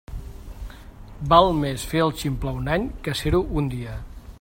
Val més fer el ximple un any que ser-ho un dia.